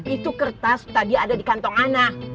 itu kertas tadi ada di kantong anak